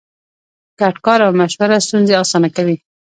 ګډ کار او مشوره ستونزې اسانه کوي.